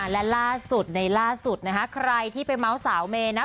และล่าสุดในล่าสุดนะคะใครที่ไปเมาส์สาวเมย์นะ